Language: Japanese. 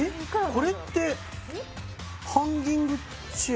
これってハンギングチェア？